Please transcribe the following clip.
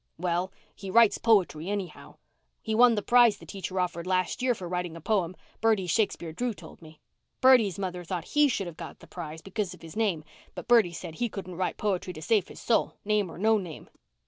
"Well, he writes poetry, anyhow. He won the prize the teacher offered last year for writing a poem, Bertie Shakespeare Drew told me. Bertie's mother thought he should have got the prize because of his name, but Bertie said he couldn't write poetry to save his soul, name or no name."